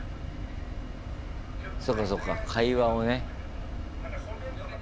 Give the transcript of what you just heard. そうかそうか会話をね。